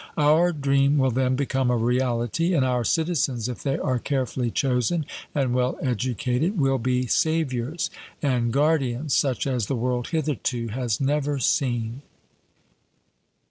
Our dream will then become a reality; and our citizens, if they are carefully chosen and well educated, will be saviours and guardians such as the world hitherto has never seen.